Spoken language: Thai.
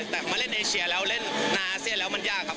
แต่เขามาเล่นเอเชียแล้วเล่นในอาเซียนแล้วมันยากครับ